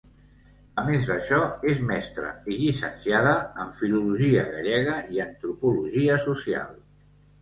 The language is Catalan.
A més d'això, és mestra i llicenciada en filologia gallega i antropologia social.